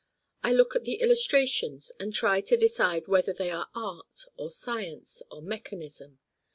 I look at the illustrations and try to decide whether they are art or science or mechanism.